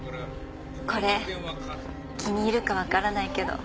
これ気に入るかわからないけど。